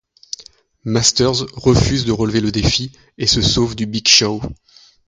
Masters refuse de relever le défi et se sauve du Big Show.